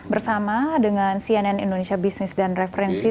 bersama dengan cnn indonesia business dan referensi